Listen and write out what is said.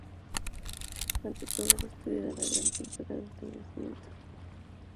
Ante todo, el estudio de la gran pintura del Renacimiento.